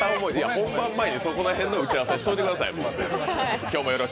本番前にそこら辺の打ち合わせしといてください。